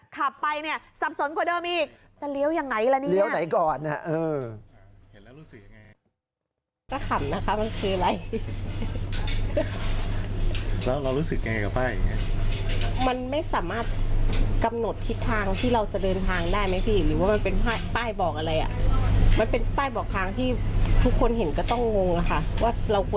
ขับไปเนี่ยสับสนกว่าเดิมอีก